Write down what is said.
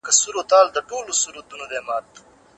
موږ باید د حق په لاره کي ثابت واوسو.